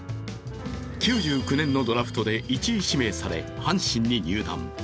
９９年のドラフトで１位指名され阪神に入団。